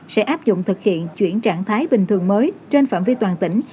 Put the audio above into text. sẽ áp dụng thực hiện chuyển trạng thái bình thường mới trên phạm vi toàn tỉnh